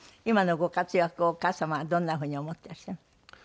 今のご活躍をお母様はどんなふうに思っていらっしゃる？